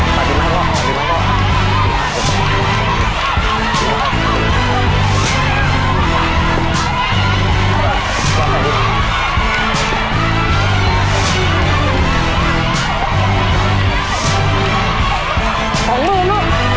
ขอถือมาลูก